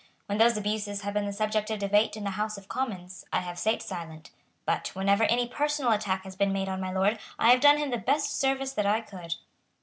When those abuses have been the subject of debate in the House of Commons, I have sate silent. But, whenever any personal attack has been made on my Lord, I have done him the best service that I could."